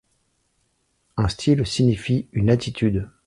Un style signifie une attitude.